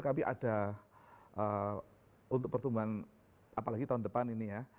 tapi ada untuk pertumbuhan apalagi tahun depan ini ya